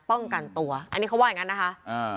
ป้องกันตัวอันนี้เขาว่าอย่างงั้นนะคะ